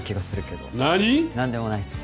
何でもないっす。